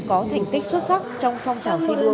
có thành tích xuất sắc trong phong trào thi đua